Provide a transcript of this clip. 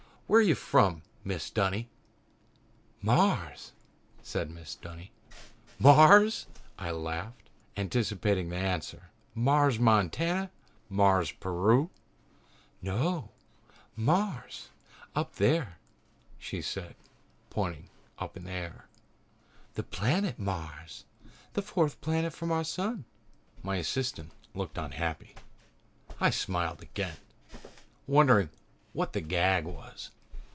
"Where are you from, Mrs. Dunny?" "Mars!" said Mrs. Dunny. "Mars!" I laughed, anticipating the answer. "Mars, Montana? Mars, Peru?" "No, Mars! Up there," she said, pointing up in the air. "The planet Mars. The fourth planet out from the sun." My assistant looked unhappy. I smiled again, wondering what the gag was.